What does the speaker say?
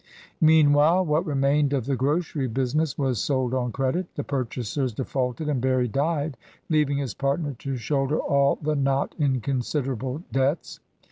Meanwhile what remained of the grocery busi ness was sold on credit. The purchasers defaulted, and Berry died, leaving his partner to shoulder all the not inconsiderable debts.